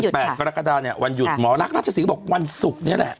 ปี๑๘คลกระดาษวันหยุดหมอรักรัชศรีบอกวันศุกร์เนี่ยแหละ